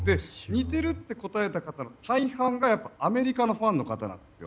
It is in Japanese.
似ていると答えた方の大半はアメリカのファンの方なんです。